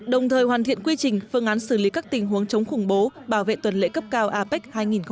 đồng thời hoàn thiện quy trình phương án xử lý các tình huống chống khủng bố bảo vệ tuần lễ cấp cao apec hai nghìn hai mươi